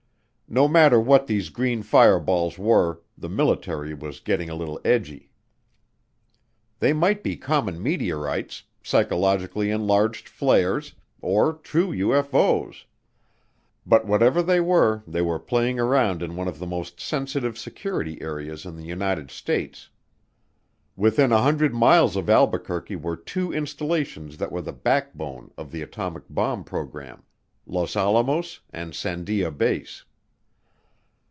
No matter what these green fireballs were, the military was getting a little edgy. They might be common meteorites, psychologically enlarged flares, or true UFO's, but whatever they were they were playing around in one of the most sensitive security areas in the United States. Within 100 miles of Albuquerque were two installations that were the backbone of the atomic bomb program, Los Alamos and Sandia Base.